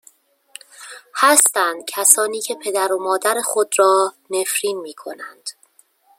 هستند کسانی که پدر و مادر خود را نفرین میکنند